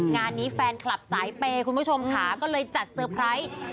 งานนี้แฟนคลับสายเปย์คุณผู้ชมค่ะก็เลยจัดเตอร์ไพรส์